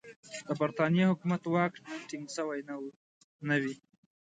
د برټانیې حکومت واک ټینګ سوی نه وي.